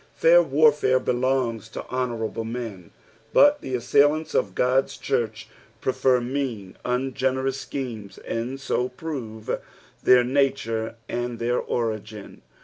Fair warfare belongs to honourable men, but the assailants of God's church prefer mean, ungenerous schemes, and bo prove their nature and their ori^n.